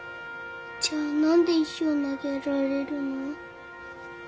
じゃあ何で石を投げられるの？